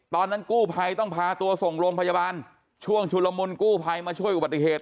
ตอนนั้นกู้ภัยต้องพาตัวส่งโรงพยาบาลช่วงชุลมุนกู้ภัยมาช่วยอุบัติเหตุ